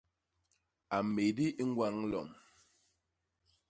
A mmédi i ñgwañ lom.